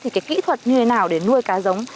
thì kỹ thuật như thế nào để nuôi ca giống